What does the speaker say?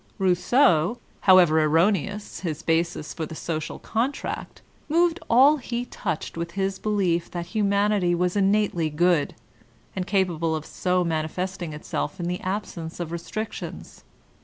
Rousseau, however erroneous his basis for the ''So cial Contract," moved all he touched with his belief that humanity was innately good, and capable of so mani festing itself in the absence of restrictions.